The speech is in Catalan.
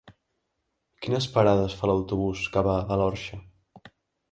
Quines parades fa l'autobús que va a l'Orxa?